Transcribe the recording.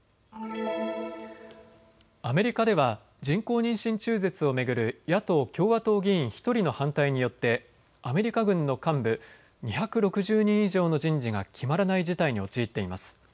アメリカでは人工妊娠中絶を巡る野党・共和党の議員１人の反対によってアメリカ軍の幹部２６０人以上の人事が決まらない事態に陥っています。